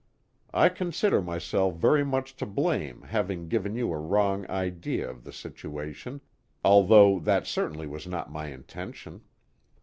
I consider myself very much to blame having given you a wrong idea of the situation, although that certainly was not my intention.